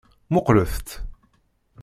Muqqlet-tt.